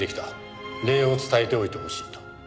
礼を伝えておいてほしいと。